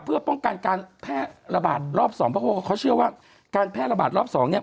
เพื่อป้องกันการแพร่ระบาดรอบสองเพราะว่าเขาเชื่อว่าการแพร่ระบาดรอบสองเนี่ย